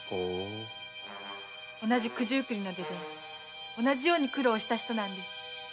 同じ九十九里の出で同じように苦労した人なんです。